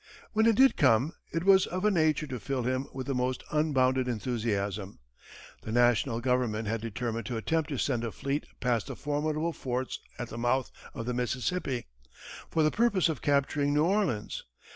When it did come, it was of a nature to fill him with the most unbounded enthusiasm. The national government had determined to attempt to send a fleet past the formidable forts at the mouth of the Mississippi, for the purpose of capturing New Orleans.